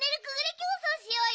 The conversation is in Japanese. きょうそうしようよ。